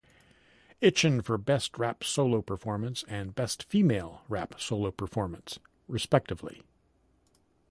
Itchin' for Best Rap Solo Performance and Best Female Rap Solo Performance, respectively.